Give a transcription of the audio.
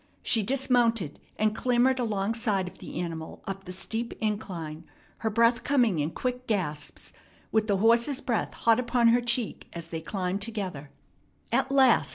She dismounted and clambered alongside of the animal up the steep incline, her breath coming in quick gasps, with the horse's breath hot upon her cheek as they climbed together. At last!